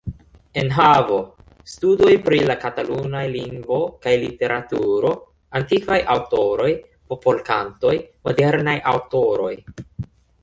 Enhavo: Studoj pri la katalunaj lingvo kaj literaturo; Antikvaj aŭtoroj; Popolkantoj; Modernaj aŭtoroj.